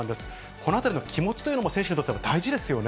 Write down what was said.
このあたりの気持ちというのも、選手にとっては大事ですよね。